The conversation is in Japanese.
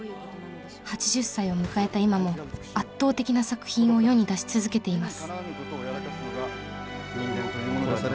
８０歳を迎えた今も圧倒的な作品を世に出し続けています。